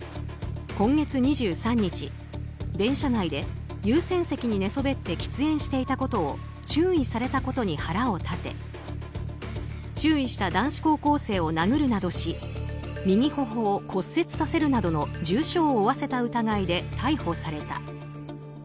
今月２３日、電車内で優先席に寝そべって喫煙していたことを注意されたことに腹を立て注意した男子高校生を殴るなどし右頬を骨折させるなどの重傷を負わせた疑いで逮捕された。